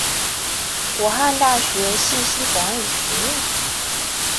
武汉大学信息管理学院